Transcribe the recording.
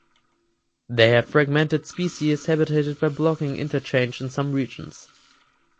They have fragmented species habitat by blocking interchange in some regions.